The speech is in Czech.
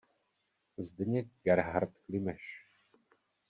Zdeněk Gerhard Klimeš.